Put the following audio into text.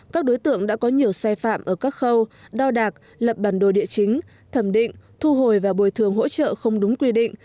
các đối tượng đã có nhiều sai phạm ở các khâu đo đạc lập bản đồ địa chính thẩm định thu hồi và bồi thường hỗ trợ không đúng quy định